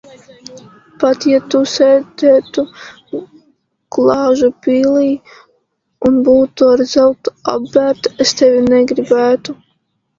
Pat ja Tu sēdētu glāžu pilī un būtu ar zeltu apbērta, es tevi negribētu.